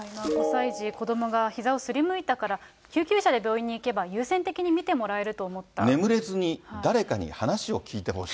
子どもがひざをすりむいたから、救急車で病院に行けば、優先眠れずに、誰かに話を聞いてほしい。